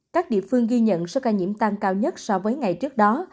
các địa phương ghi nhận số ca nhiễm tăng cao nhất so với ngày trước đó